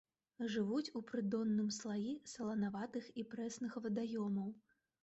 Жывуць у прыдонным слаі саланаватых і прэсных вадаёмаў.